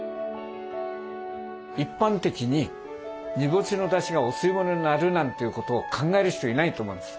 一般的に煮干しのだしがお吸い物になるなんていうことを考える人いないと思うんです。